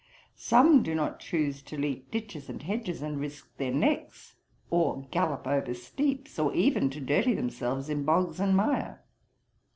Some do not choose to leap ditches and hedges and risk their necks, or gallop over steeps, or even to dirty themselves in bogs and mire.'